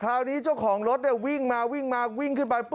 คราวนี้เจ้าของรถวิ่งมาวิ่งมาวิ่งขึ้นไป